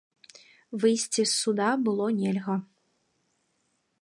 Выйсці з суда было нельга.